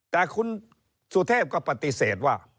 แต่คุณสุเทพก็ปฏิเสธว่า